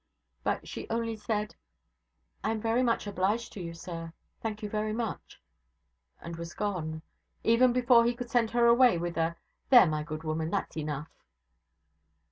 But she only said: 'I am very much obliged to you, sir. Thank you very much,' and was gone, even before he could send her away with a 'There, my good woman, that's enough!'